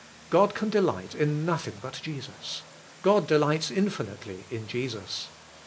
God can delight in nothing but Jesus. God de lights infinitely in Jesus.